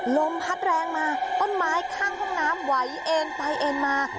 ลมพัดแรงมาต้นไม้ข้างห้องน้ำไหวเอ็นไปเอ็นมา